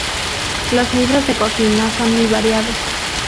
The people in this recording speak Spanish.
Los libros de cocina son muy variados.